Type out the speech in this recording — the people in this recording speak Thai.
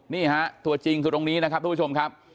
นี่ฮะตัวจริงคือตรงนี้นะครับทุกผู้ชมครับ